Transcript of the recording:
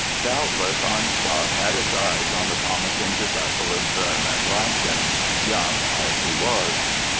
Doubtless Arnstadt had its eyes on the promising disciple of Böhm and Reinken, young as he was.